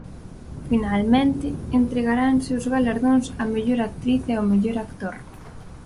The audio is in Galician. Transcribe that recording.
Finalmente, entregaranse os galardóns á mellor actriz e ao mellor actor.